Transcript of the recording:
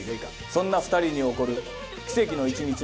そんな２人に起こる奇跡の１日の物語。